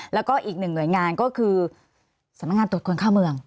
แล้วก็อีกหนึ่งหน่วยงานก็คือสำนักงานตรวจคนเข้าเมือง